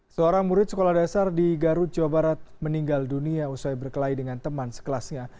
seorang murid sekolah dasar di garut jawa barat meninggal dunia usai berkelahi dengan teman sekelasnya